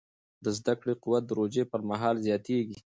د زده کړې قوت د روژې پر مهال زیاتېږي.